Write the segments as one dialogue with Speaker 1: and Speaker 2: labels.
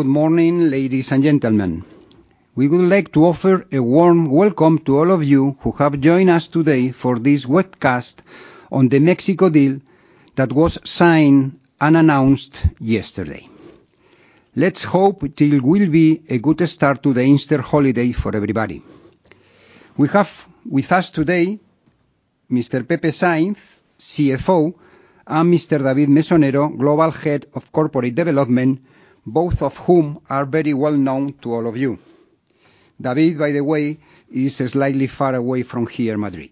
Speaker 1: Good morning, ladies and gentlemen. We would like to offer a warm welcome to all of you who have joined us today for this webcast on the Mexico deal that was signed and announced yesterday. Let's hope it will be a good start to the Easter holiday for everybody. We have with us today Mr. Pepe Sainz, CFO, and Mr. David Mesonero, Global Head of Corporate Development, both of whom are very well known to all of you. David, by the way, is slightly far away from here in Madrid.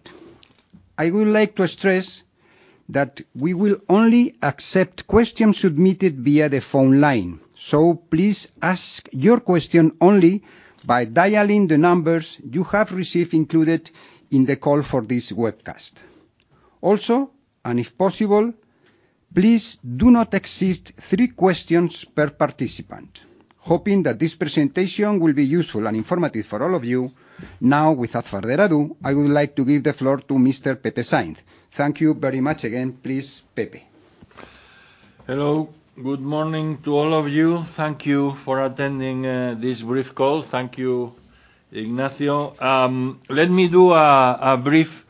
Speaker 1: I would like to stress that we will only accept questions submitted via the phone line. Please ask your question only by dialing the numbers you have received included in the call for this webcast. If possible, please do not exceed three questions per participant. Hoping that this presentation will be useful and informative for all of you, now, without further ado, I would like to give the floor to Mr. Pepe Sainz. Thank you very much again. Please, Pepe.
Speaker 2: Hello. Good morning to all of you. Thank you for attending this brief call. Thank you, Ignacio. Let me do a brief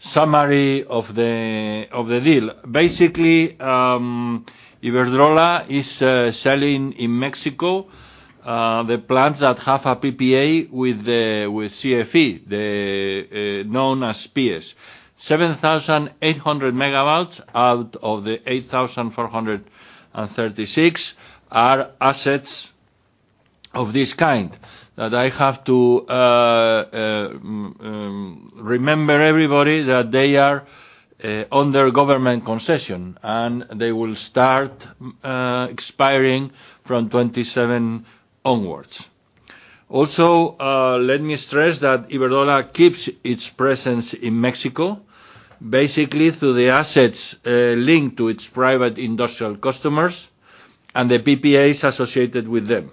Speaker 2: summary of the deal. Basically, Iberdrola is selling in Mexico the plants that have a PPA with CFE, known as PS. 7,800 MW out of the 8,436 are assets of this kind that I have to remember everybody that they are under government concession, and they will start expiring from 2027 onwards. Also, let me stress that Iberdrola keeps its presence in Mexico, basically through the assets linked to its private industrial customers and the PPAs associated with them.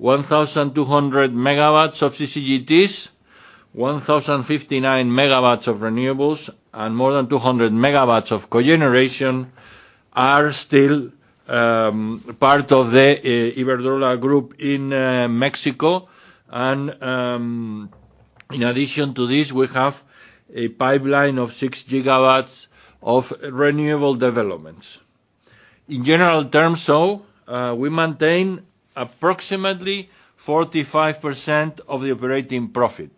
Speaker 2: 1,200 MW of CCGTs, 1,059 MW of renewables, and more than 200 MW of cogeneration are still part of the Iberdrola group in Mexico. In addition to this, we have a pipeline of 6 GW of renewable developments. In general terms, we maintain approximately 45% of the operating profit.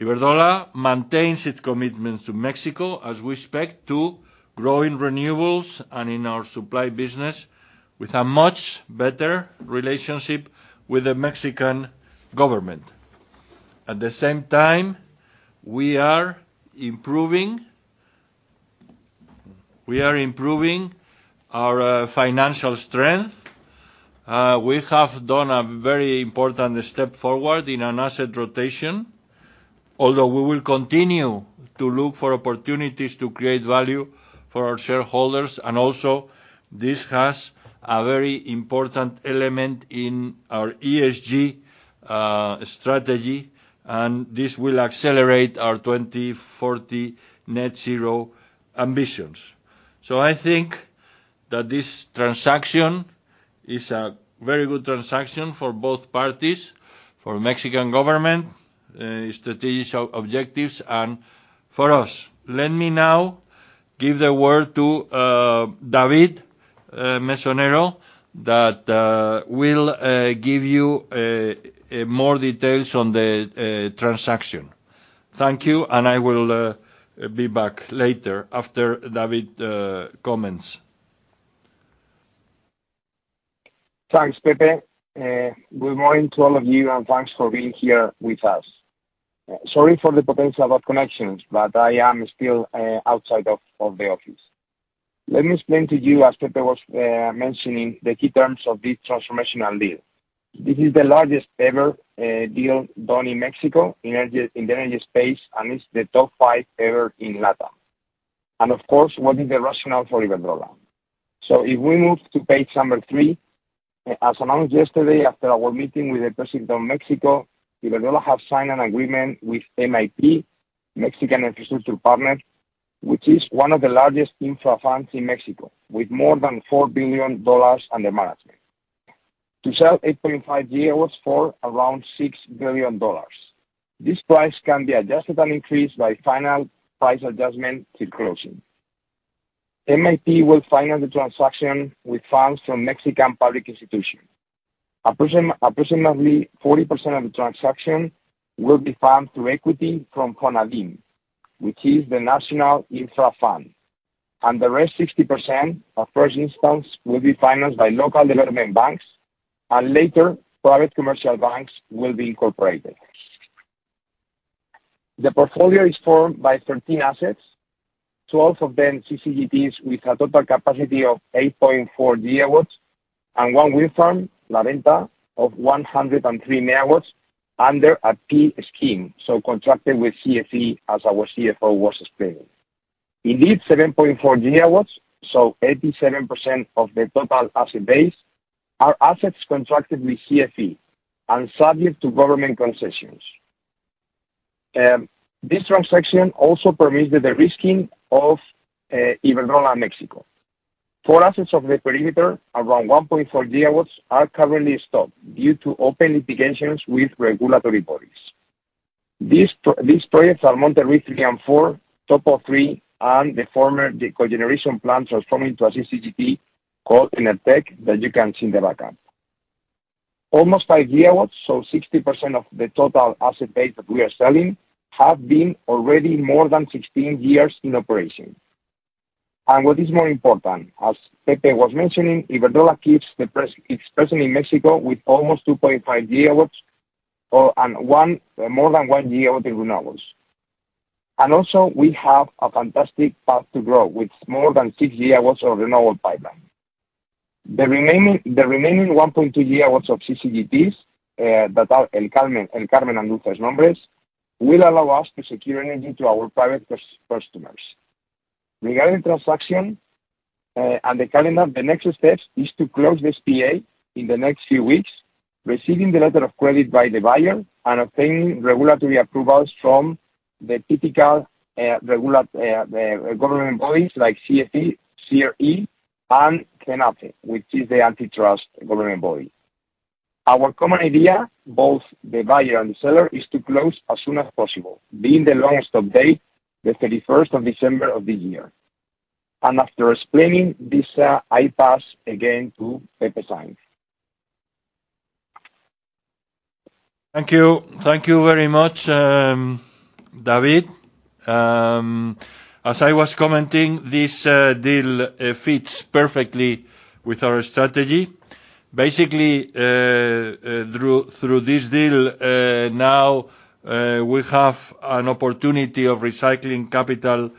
Speaker 2: Iberdrola maintains its commitment to Mexico as we expect to grow in renewables and in our supply business with a much better relationship with the Mexican government. At the same time, we are improving. We are improving our financial strength. We have done a very important step forward in an asset rotation, although we will continue to look for opportunities to create value for our shareholders. Also, this has a very important element in our ESG strategy, and this will accelerate our 2040 net-zero ambitions. I think that this transaction is a very good transaction for both parties, for Mexican government strategic objectives, and for us. Let me now give the word to David Mesonero that will give you more details on the transaction. Thank you. I will be back later after David comments.
Speaker 3: Thanks, Pepe. Good morning to all of you, thanks for being here with us. Sorry for the potential bad connections, I am still outside of the office. Let me explain to you, as Pepe was mentioning, the key terms of this transformational deal. This is the largest ever deal done in Mexico in the energy space, it's the top five ever in Latin. Of course, what is the rationale for Iberdrola? If we move to page three, as announced yesterday after our meeting with the president of Mexico, Iberdrola have signed an agreement with MIP, Mexico Infrastructure Partners, which is one of the largest infra funds in Mexico, with more than $4 billion under management. To sell 8.5 GW for around $6 billion. This price can be adjusted and increased by final price adjustment till closing. MIP will finance the transaction with funds from Mexican Public Institution. Approximately 40% of the transaction will be funded through equity from FONADIN, which is the national infra fund. The rest 60%, our first instance, will be financed by local development banks, and later private commercial banks will be incorporated. The portfolio is formed by 13 assets, 12 of them CCGTs with a total capacity of 8.4 GW and one wind farm, La Venta, of 103 MW under a PPA scheme, so contracted with CFE as our CFO was explaining. Indeed, 7.4 GW, so 87% of the total asset base are assets contracted with CFE and subject to government concessions. And this transaction also permits the risking of Iberdrola Mexico. Four assets of the perimeter, around 1.4 GW, are currently stopped due to open litigations with regulatory bodies. These projects are Monterrey 3 and 4, Topolobampo III, and the former cogeneration plant transforming to a CCGT called Enertek that you can see in the backup. Almost 5 GW, so 60% of the total asset base that we are selling, have been already more than 16 years in operation. What is more important, as Pepe was mentioning, Iberdrola keeps its presence in Mexico with almost 2.5 GW, or, and more than 1 GW in renewables. Also we have a fantastic path to grow with more than 6 GW of renewable pipeline. The remaining 1.2 GW of CCGTs that are El Carmen and Dulces Nombres, will allow us to secure energy to our private customers. Regarding transaction and the calendar, the next steps is to close this PA in the next few weeks, receiving the letter of credit by the buyer, obtaining regulatory approvals from the typical government bodies like CFE, CRE and COFECE, which is the antitrust government body. Our common idea, both the buyer and the seller, is to close as soon as possible, being the longest of date, the 31st of December of this year. After explaining this, I pass again to Pepe Sainz.
Speaker 2: Thank you. Thank you very much, David. As I was commenting, this deal fits perfectly with our strategy. Basically, through this deal, now we have an opportunity of recycling capital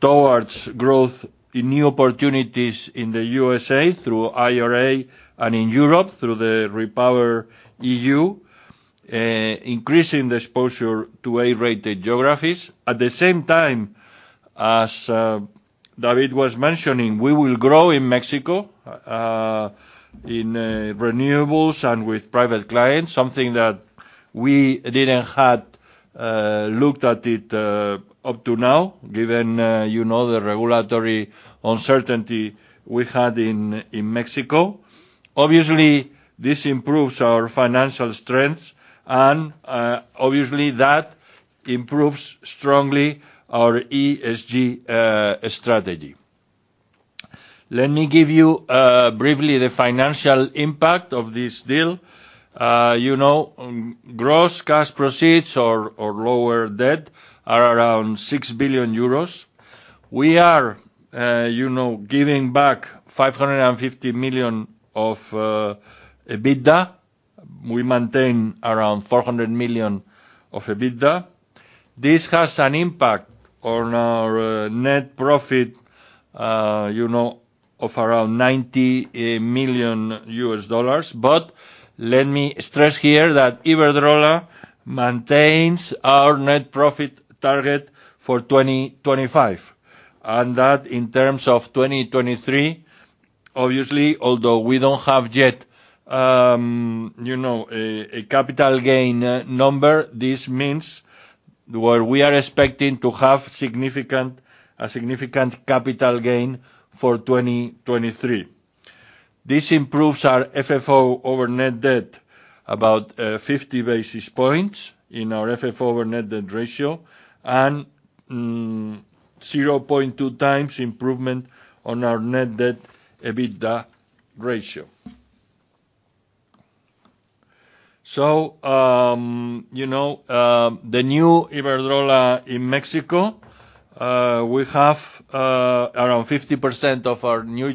Speaker 2: towards growth in new opportunities in the USA through IRA and in Europe through the REPowerEU, increasing the exposure to A-rated geographies. At the same time, as David was mentioning, we will grow in Mexico, in renewables and with private clients, something that we didn't had looked at it up to now, given, you know, the regulatory uncertainty we had in Mexico. Obviously, this improves our financial strength and obviously that improves strongly our ESG strategy. Let me give you briefly the financial impact of this deal. you know, gross cash proceeds or lower debt are around 6 billion euros. We are, you know, giving back 550 million of EBITDA. We maintain around 400 million of EBITDA. This has an impact on our net profit, you know, of around $90 million. Let me stress here that Iberdrola maintains our net profit target for 2025. That in terms of 2023, obviously, although we don't have yet, you know, a capital gain number, this means where we are expecting to have a significant capital gain for 2023. This improves our FFO over net debt about 50 basis points in our FFO over net debt ratio and 0.2x improvement on our Net Debt/EBITDA ratio. The new Iberdrola in Mexico, we have around 50% of our new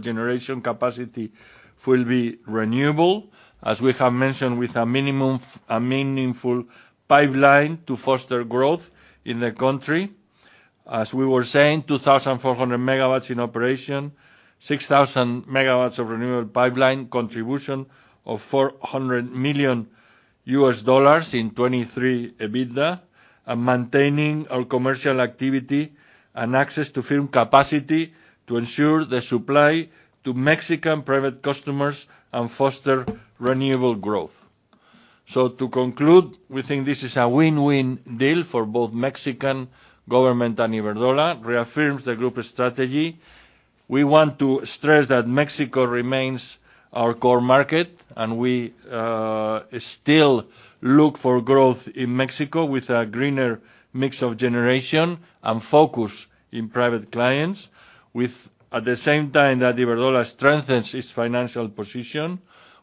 Speaker 2: generation capacity will be renewable, as we have mentioned, with a meaningful pipeline to foster growth in the country. As we were saying, 2,400 MW in operation, 6,000 MW of renewable pipeline, contribution of $400 million in 2023 EBITDA, and maintaining our commercial activity and access to firm capacity to ensure the supply to Mexican private customers and foster renewable growth. To conclude, we think this is a win-win deal for both Mexican government and Iberdrola, reaffirms the group strategy. We want to stress that Mexico remains our core market and we still look for growth in Mexico with a greener mix of generation and focus in private clients with... at the same time that Iberdrola strengthens its financial position.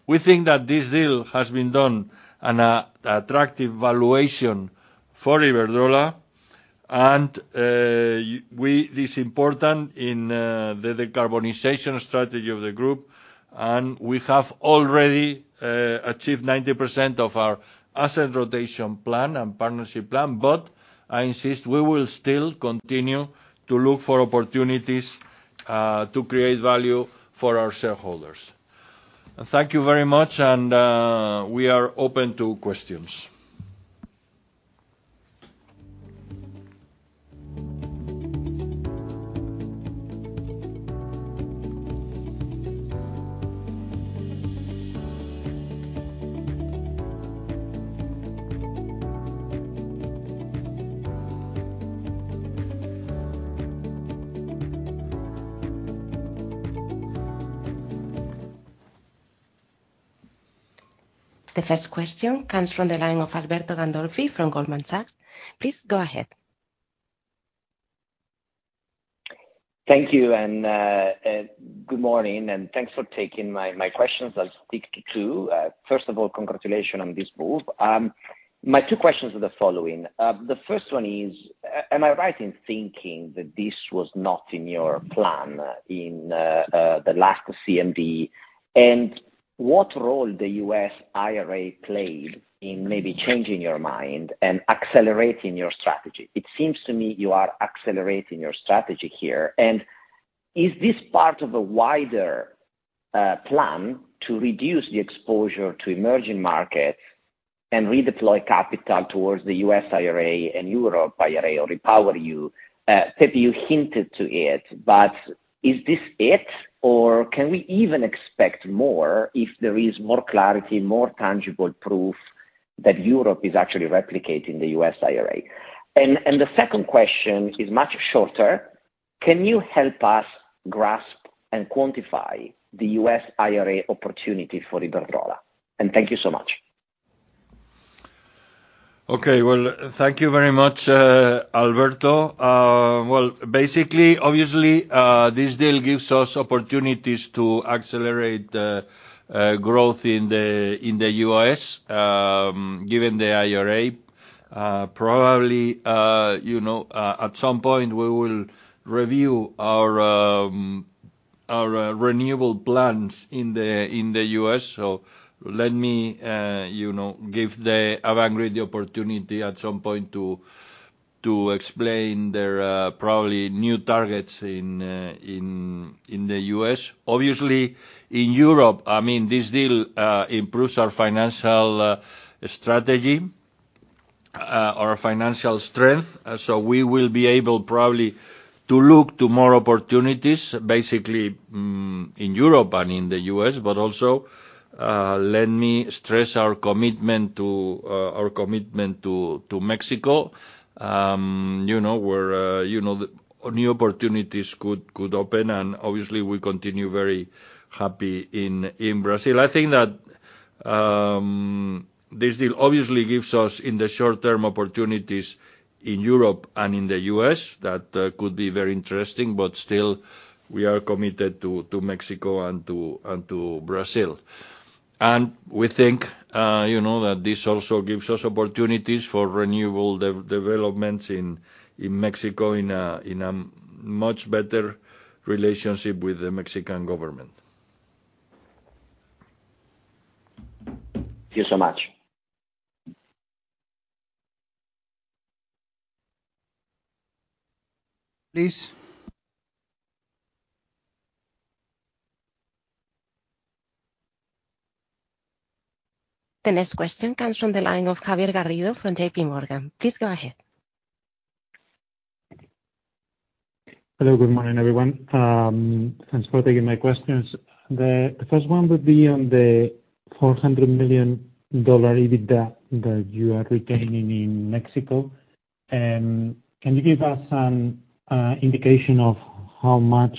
Speaker 2: We think that this deal has been done an attractive valuation for Iberdrola and this important in the decarbonization strategy of the group. We have already achieved 90% of our asset rotation plan and partnership plan. I insist we will still continue to look for opportunities to create value for our shareholders. Thank you very much and we are open to questions.
Speaker 4: The first question comes from the line of Alberto Gandolfi from Goldman Sachs. Please go ahead.
Speaker 5: Thank you, good morning, and thanks for taking my questions. I'll speak to two. First of all, congratulations on this move. My two questions are the following. The first one is, am I right in thinking that this was not in your plan in the last CMD? What role the US IRA played in maybe changing your mind and accelerating your strategy? It seems to me you are accelerating your strategy here. Is this part of a wider plan to reduce the exposure to emerging markets and redeploy capital towards the US IRA and Europe IRA or REPowerEU? Maybe you hinted to it, but is this it, or can we even expect more if there is more clarity, more tangible proof that Europe is actually replicating the US IRA? The second question is much shorter. Can you help us grasp and quantify the U.S. IRA opportunity for Iberdrola? Thank you so much.
Speaker 2: Okay. Well, thank you very much, Alberto. Well, basically, obviously, this deal gives us opportunities to accelerate growth in the US, given the IRA. Probably, you know, at some point, we will review our renewable plans in the US. Let me, you know, give the Avangrid the opportunity at some point to explain their probably new targets in the US. Obviously, in Europe, I mean this deal improves our financial strategy, our financial strength. We will be able probably to look to more opportunities basically, in Europe and in the US. Also, let me stress our commitment to Mexico. You know, where, you know, the new opportunities could open. Obviously we continue very happy in Brazil. I think that this deal obviously gives us, in the short term, opportunities in Europe and in the U.S. that could be very interesting, but still we are committed to Mexico and to Brazil. We think, you know, that this also gives us opportunities for renewable developments in Mexico in a much better relationship with the Mexican government.
Speaker 5: Thank you so much.
Speaker 1: Please.
Speaker 4: The next question comes from the line of Javier Garrido from JP Morgan. Please go ahead.
Speaker 6: Hello. Good morning, everyone. Thanks for taking my questions. The first one would be on the $400 million EBITDA that you are retaining in Mexico. Can you give us some indication of how much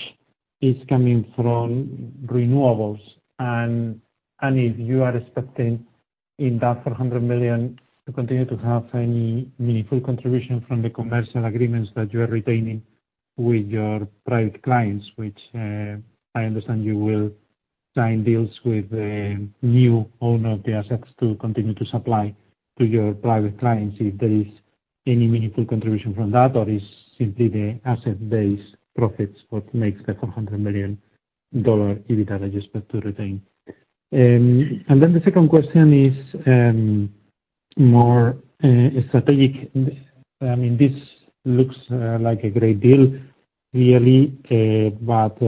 Speaker 6: is coming from renewables? If you are expecting in that $400 million to continue to have any meaningful contribution from the commercial agreements that you are retaining with your private clients, which I understand you will sign deals with the new owner of the assets to continue to supply to your private clients. If there is any meaningful contribution from that, or is simply the asset base profits what makes the $400 million EBITDA you expect to retain? The second question is more strategic. I mean, this looks like a great deal really, but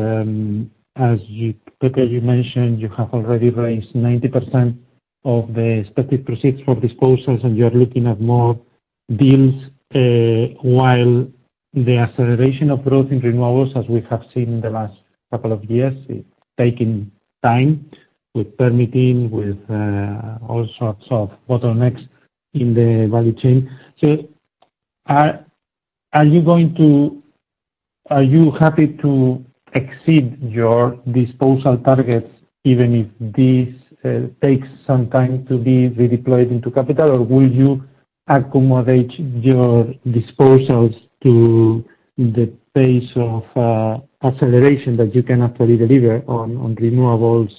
Speaker 6: Pepe, you mentioned you have already raised 90% of the expected proceeds from disposals, and you are looking at more deals, while the acceleration of growth in renewables, as we have seen in the last couple of years, is taking time with permitting, with all sorts of bottlenecks in the value chain. Are you happy to exceed your disposal targets, even if this takes some time to be redeployed into capital? Or will you accommodate your disposals to the pace of acceleration that you can actually deliver on renewables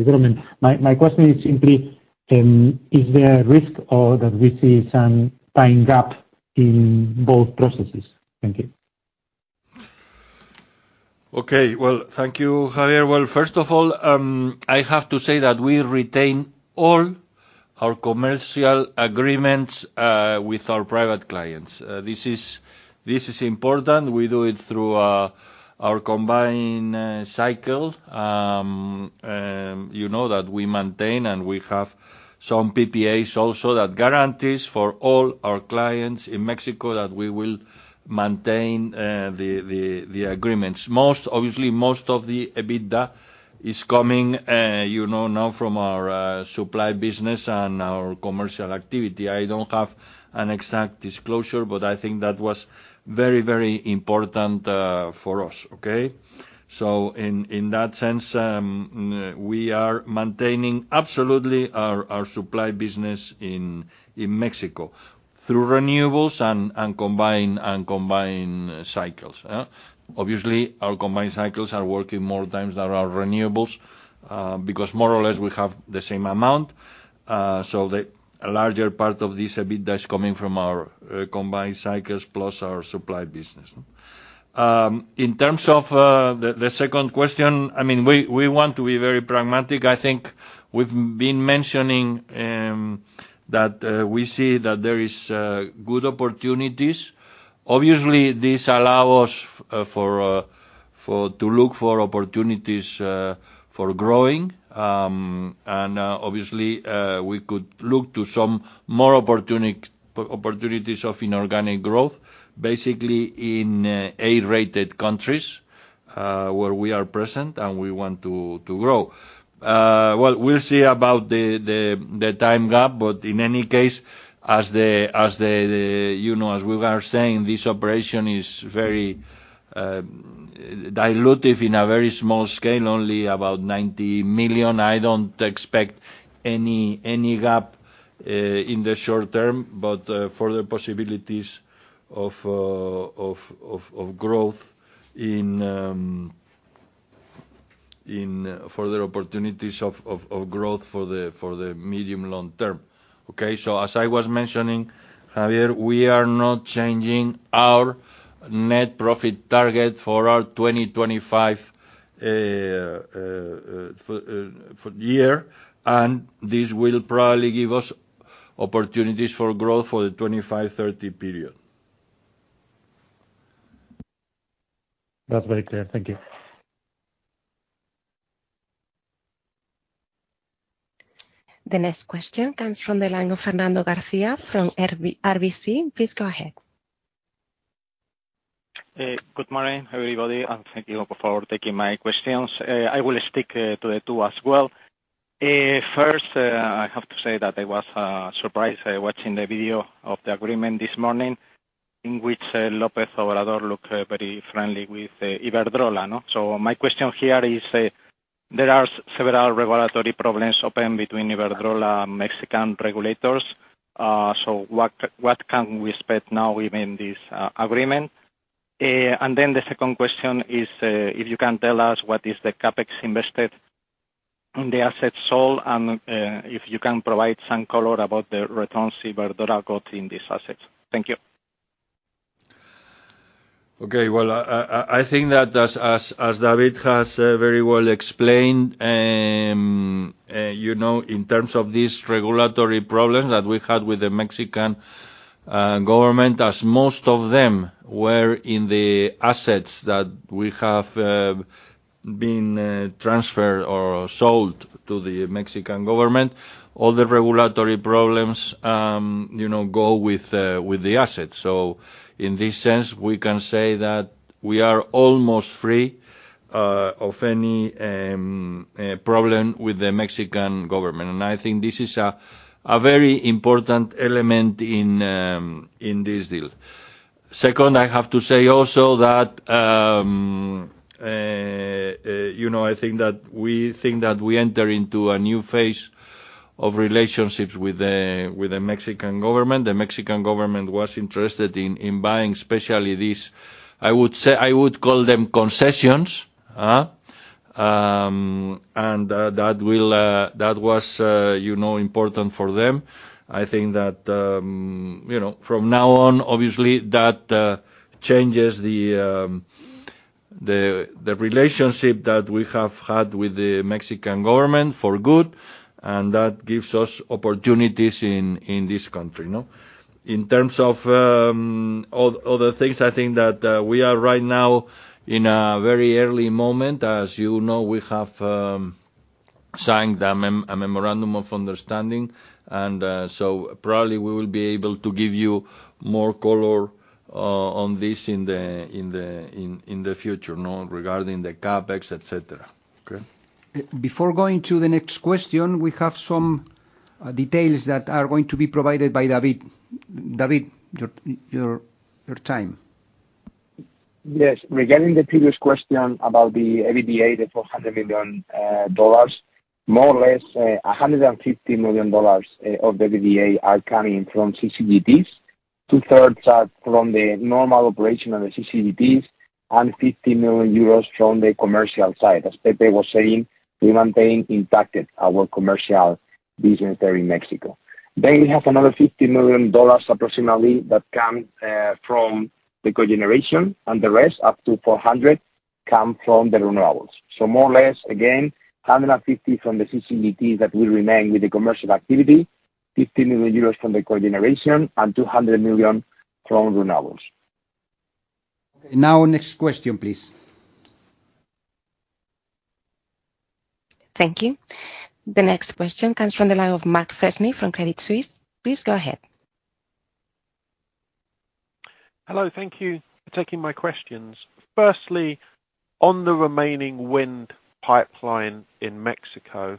Speaker 6: development? My question is simply, is there a risk or that we see some time gap in both processes? Thank you.
Speaker 2: Okay. Well, thank you, Javier. Well, first of all, I have to say that we retain all our commercial agreements with our private clients. This is important. We do it through our combined cycle. You know that we maintain and we have some PPAs also that guarantees for all our clients in Mexico that we will maintain the agreements. Most, obviously, most of the EBITDA is coming, you know, now from our supply business and our commercial activity. I don't have an exact disclosure, but I think that was very, very important for us, okay? In that sense, we are maintaining absolutely our supply business in Mexico through renewables and combined cycles, yeah. Obviously, our combined cycles are working more times than our renewables, because more or less we have the same amount. The larger part of this EBITDA is coming from our combined cycles plus our supply business. In terms of the second question, I mean, we want to be very pragmatic. I think we've been mentioning, that we see that there is good opportunities. Obviously, this allow us, for to look for opportunities, for growing. Obviously, we could look to some more opportunities of inorganic growth, basically in A-rated countries, where we are present and we want to grow. Well, we'll see about the time gap, but in any case, as you know, as we are saying, this operation is very dilutive in a very small scale, only about 90 million. I don't expect any gap in the short term, but further possibilities of growth in further opportunities of growth for the medium long term, okay? As I was mentioning, Javier, we are not changing our net profit target for our 2025 year, and this will probably give us opportunities for growth for the 2025-2030 period.
Speaker 6: That's very clear. Thank you.
Speaker 4: The next question comes from the line of Fernando Garcia from RBC. Please go ahead.
Speaker 7: Good morning, everybody, and thank you for taking my questions. I will speak to the two as well. First, I have to say that I was surprised watching the video of the agreement this morning in which López Obrador looked very friendly with Iberdrola, no? My question here is, there are several regulatory problems open between Iberdrola and Mexican regulators. What can we expect now within this agreement? The second question is, if you can tell us what is the CapEx invested in the assets sold, and if you can provide some color about the returns Iberdrola got in these assets. Thank you.
Speaker 2: Okay. Well, I think that as David has very well explained, you know, in terms of these regulatory problems that we had with the Mexican government, as most of them were in the assets that we have been transferred or sold to the Mexican government, all the regulatory problems, you know, go with the assets. In this sense, we can say that we are almost free of any problem with the Mexican government. I think this is a very important element in this deal. Second, I have to say also that, you know, I think that we think that we enter into a new phase of relationships with the Mexican government. The Mexican government was interested in buying especially these, I would say, I would call them concessions, and that was, you know, important for them. I think that, you know, from now on, obviously that changes the relationship that we have had with the Mexican government for good, and that gives us opportunities in this country, you know? In terms of other things, I think that we are right now in a very early moment. As you know, we have signed a memorandum of understanding, and so probably we will be able to give you more color on this in the future, you know, regarding the CapEx, et cetera. Okay.
Speaker 4: Before going to the next question, we have some details that are going to be provided by David. David, your time.
Speaker 3: Yes. Regarding the previous question about the EBITDA, the $400 million, more or less, $150 million of EBITDA are coming from CCGTs. 2/3 are from the normal operation of the CCGTs and 50 million euros from the commercial side. As Pepe was saying, we maintain impacted our commercial business there in Mexico. We have another $50 million approximately that come from the cogeneration, and the rest, up to $400 million, come from the renewables. More or less, again, $150 million from the CCGTs that will remain with the commercial activity, 50 million euros from the cogeneration, and $200 million from renewables.
Speaker 1: Okay. Now next question, please.
Speaker 4: Thank you. The next question comes from the line of Mark Freshney from Credit Suisse. Please go ahead.
Speaker 8: Hello. Thank you for taking my questions. Firstly, on the remaining wind pipeline in Mexico,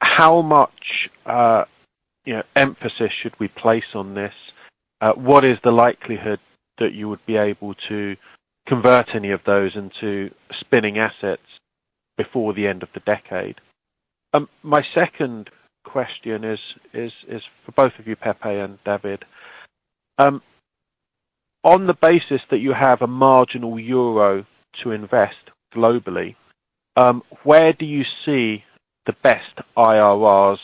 Speaker 8: how much, you know, emphasis should we place on this? What is the likelihood that you would be able to convert any of those into spinning assets before the end of the decade? My second question is for both of you, Pepe and David. On the basis that you have a marginal euro to invest globally, where do you see the best IRRs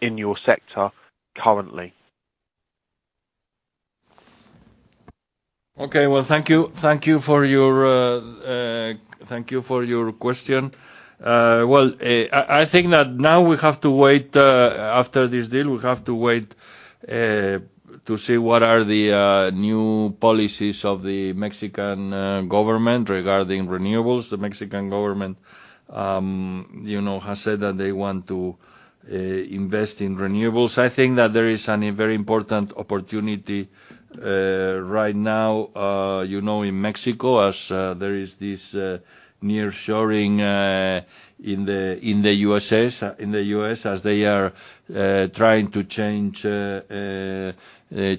Speaker 8: in your sector currently?
Speaker 2: Okay. Well, thank you. Thank you for your question. Well, I think that now we have to wait after this deal, we have to wait to see what are the new policies of the Mexican government regarding renewables. The Mexican government, you know, has said that they want to invest in renewables. I think that there is a very important opportunity right now, you know, in Mexico as there is this nearshoring in the US as they are trying to change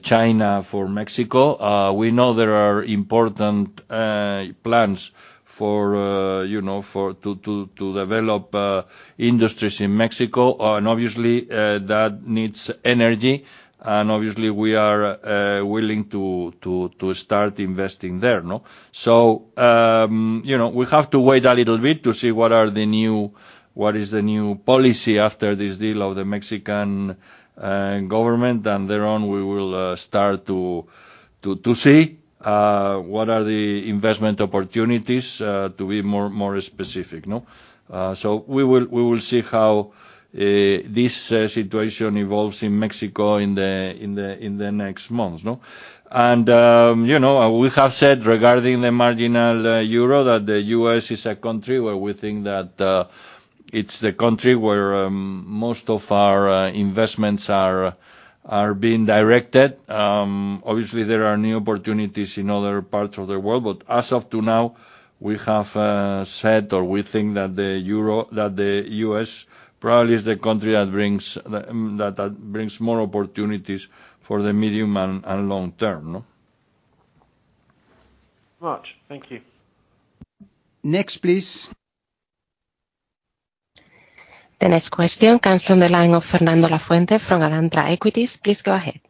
Speaker 2: China for Mexico. We know there are important plans for you know, to develop industries in Mexico. Obviously, that needs energy, and obviously we are willing to start investing there. You know, we have to wait a little bit to see what is the new policy after this deal of the Mexican government. Thereon we will start to see what are the investment opportunities to be more specific. We will see how this situation evolves in Mexico in the next months. You know, we have said regarding the marginal euro that the U.S. is a country where we think that it's the country where most of our investments are being directed. Obviously there are new opportunities in other parts of the world, as of to now, we have said, or we think that the U.S. probably is the country that brings more opportunities for the medium and long term, no?
Speaker 8: Much. Thank you.
Speaker 1: Next, please.
Speaker 4: The next question comes from the line of Fernando Lafuente from Alantra Equities. Please go ahead.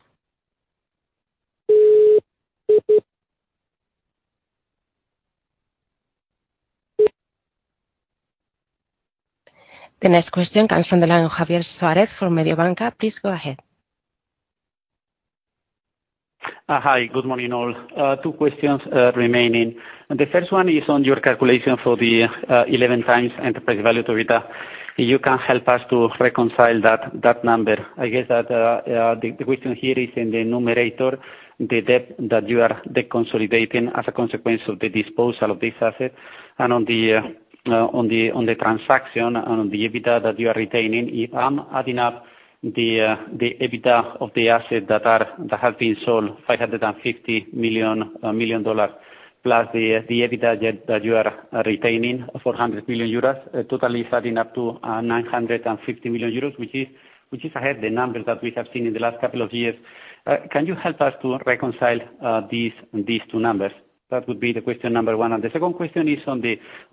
Speaker 4: The next question comes from the line of Javier Suárez from Mediobanca. Please go ahead.
Speaker 9: Hi. Good morning, all. Two questions remaining. The first one is on your calculation for the 11x enterprise value to EBITDA. You can help us to reconcile that number. I guess that the question here is in the numerator, the debt that you are deconsolidating as a consequence of the disposal of this asset. On the transaction, on the EBITDA that you are retaining, if I'm adding up the EBITDA of the asset that have been sold, $550 million, plus the EBITDA that you are retaining, 400 million euros, totally adding up to 950 million euros, which is ahead the numbers that we have seen in the last couple of years. Can you help us to reconcile, these two numbers? That would be the question number one. The second question is on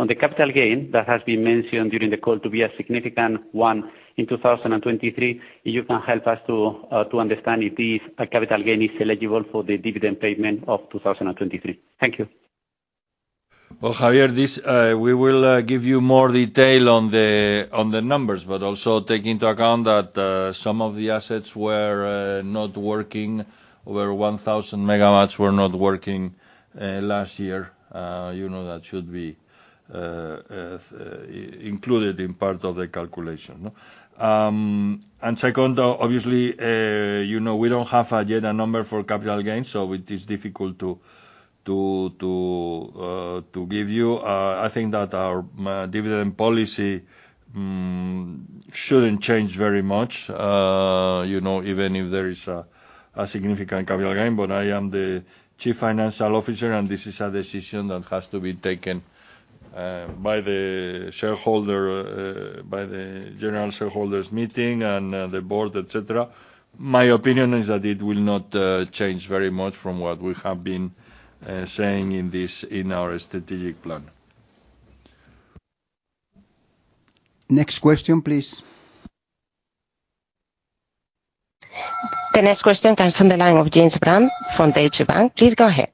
Speaker 9: the capital gain that has been mentioned during the call to be a significant one in 2023. You can help us to understand if this capital gain is eligible for the dividend payment of 2023. Thank you.
Speaker 2: Javier, this, we will give you more detail on the, on the numbers, but also take into account that some of the assets were not working, where 1,000 MW were not working last year. You know, that should be included in part of the calculation, no? Second, obviously, you know, we don't have a data number for capital gains, so it is difficult to give you. I think that our dividend policy shouldn't change very much, you know, even if there is a significant capital gain. I am the chief financial officer, and this is a decision that has to be taken by the shareholder, by the general shareholders meeting and the board, et cetera. My opinion is that it will not change very much from what we have been saying in our strategic plan.
Speaker 1: Next question, please.
Speaker 4: The next question comes from the line of James Brand from Deutsche Bank. Please go ahead.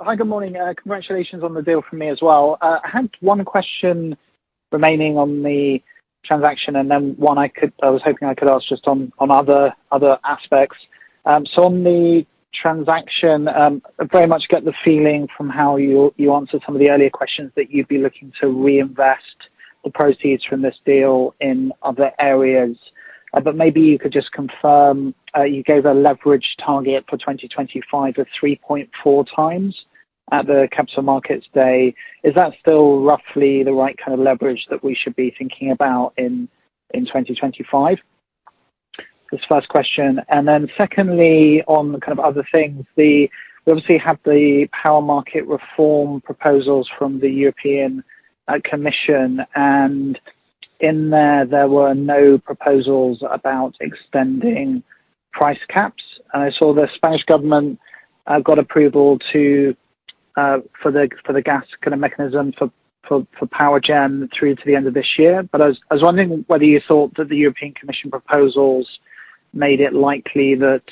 Speaker 10: Hi. Good morning. Congratulations on the deal from me as well. I had one question remaining on the transaction, then one I was hoping I could ask just on other aspects. On the transaction, I very much get the feeling from how you answered some of the earlier questions that you'd be looking to reinvest the proceeds from this deal in other areas. Maybe you could just confirm, you gave a leverage target for 2025 of 3.4x at the Capital Markets Day. Is that still roughly the right kind of leverage that we should be thinking about in 2025? That's the first question. Then secondly, on the kind of other things, the... We obviously have the power market reform proposals from the European Commission, and in there were no proposals about extending price caps. I saw the Spanish government got approval to for the gas kind of mechanism for power gen through to the end of this year. I was wondering whether you thought that the European Commission proposals made it likely that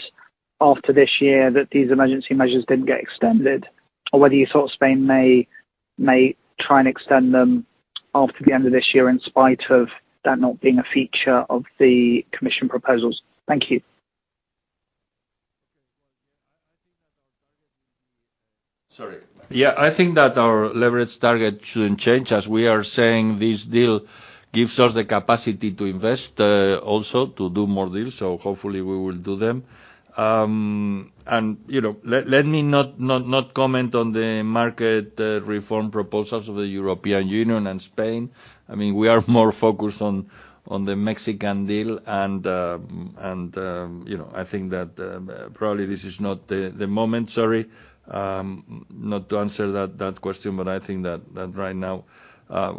Speaker 10: after this year, that these emergency measures didn't get extended or whether you thought Spain may try and extend them after the end of this year in spite of that not being a feature of the Commission proposals. Thank you.
Speaker 2: Sorry. Yeah, I think that our leverage target shouldn't change. As we are saying, this deal gives us the capacity to invest, also to do more deals, so hopefully we will do them. You know, let me not comment on the market reform proposals of the European Union and Spain. I mean, we are more focused on the Mexican deal and, you know, I think that probably this is not the moment. Sorry, not to answer that question, but I think that right now, I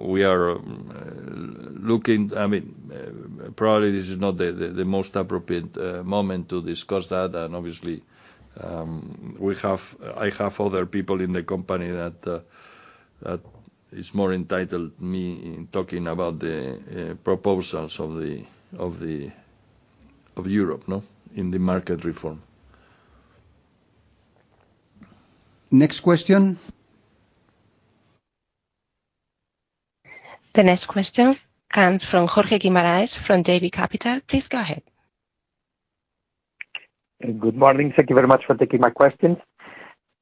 Speaker 2: mean, probably this is not the most appropriate moment to discuss that. Obviously, I have other people in the company that is more entitled me in talking about the proposals of Europe in the market reform.
Speaker 1: Next question.
Speaker 4: The next question comes from Jorge Guimarães from JB Capital. Please go ahead.
Speaker 11: Good morning. Thank you very much for taking my questions.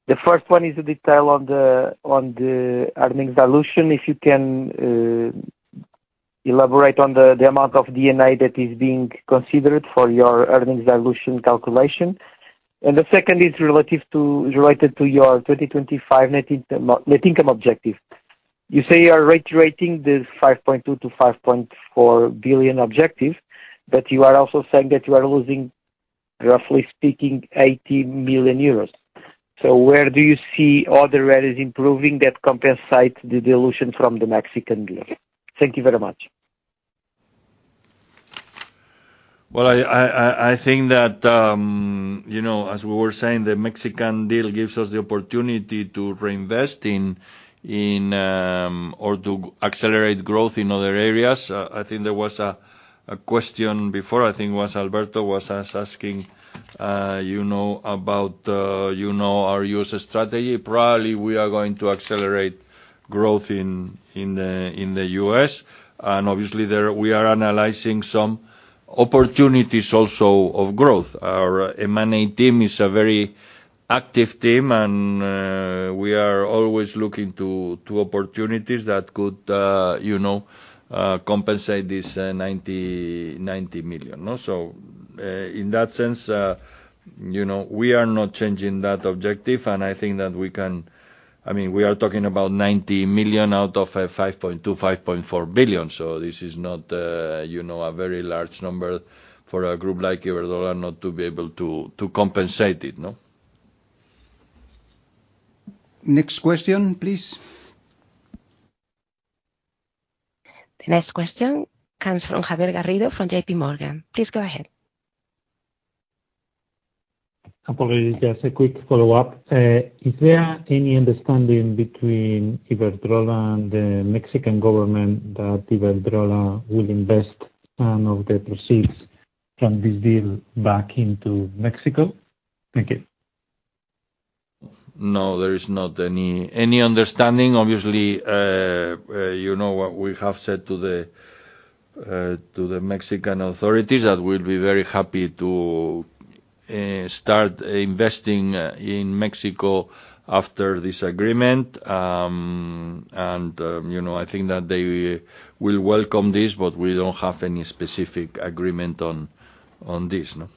Speaker 11: The first one is the detail on the earnings dilution. If you can elaborate on the amount of D&A that is being considered for your earnings dilution calculation. The second is related to your 2025 net income objective. You say you are reiterating the 5.2 billion-5.4 billion objective, but you are also saying that you are losing, roughly speaking, 80 million euros. Where do you see other areas improving that compensate the dilution from the Mexican deal? Thank you very much.
Speaker 2: Well, I think that, you know, as we were saying, the Mexican deal gives us the opportunity to reinvest in or to accelerate growth in other areas. I think there was a question before, I think it was Alberto was asking, you know, about, you know, our U.S. strategy. Probably we are going to accelerate growth in the U.S. and obviously there we are analyzing some opportunities also of growth. Our M&A team is a very active team and we are always looking to opportunities that could, you know, compensate this 90 million, no. In that sense, you know, we are not changing that objective and I think that we can... I mean, we are talking about 90 million out of a 5.2 billion, 5.4 billion, this is not, you know, a very large number for a group like Iberdrola not to be able to compensate it, no?
Speaker 1: Next question, please.
Speaker 4: The next question comes from Javier Garrido, from JP Morgan. Please go ahead.
Speaker 6: I probably just a quick follow-up. Is there any understanding between Iberdrola and the Mexican government that Iberdrola will invest some of the proceeds from this deal back into Mexico? Thank you.
Speaker 2: No, there is not any understanding. Obviously, you know, what we have said to the Mexican authorities that we'll be very happy to start investing in Mexico after this agreement. You know, I think that they will welcome this, but we don't have any specific agreement on this, no.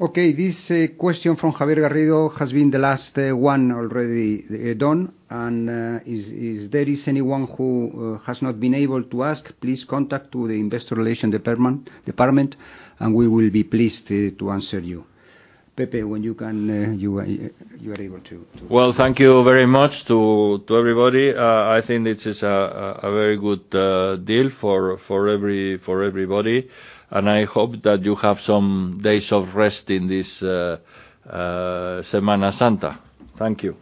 Speaker 1: Okay. This question from Javier Garrido has been the last one already done and is there is anyone who has not been able to ask, please contact to the Investor Relations department, and we will be pleased to answer you. Pepe, when you can, you are able to.
Speaker 2: Well, thank you very much to everybody. I think this is a very good deal for everybody, and I hope that you have some days of rest in this Semana Santa. Thank you.